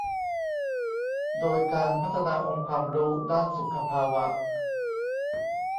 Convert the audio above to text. โดยการพัฒนาองค์ความรู้ด้านสุขภาวะ